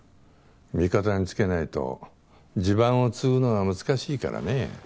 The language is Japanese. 味方につけないと地盤を継ぐのは難しいからね。